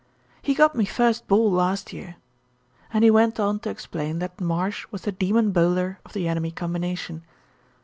"He got me first ball last year," and he went on to explain that Marsh was the demon bowler of the enemy combination.